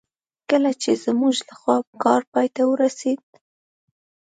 کله چې زموږ لخوا کار پای ته ورسېد.